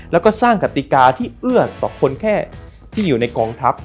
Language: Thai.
แล้วก็สร้างกติกาที่เอื้อต่อคนแค่ที่อยู่ในกองทัพ